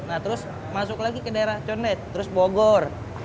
nah terus masuk lagi ke daerah condet terus bogor